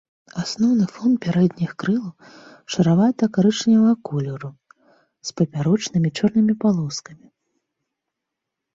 Асноўны фон пярэдніх крылаў шаравата-карычневага колеру з папярочнымі чорнымі палоскамі.